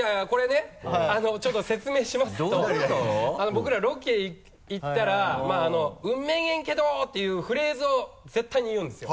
僕らロケ行ったら「うんめげんけど」っていうフレーズを絶対に言うんですよ。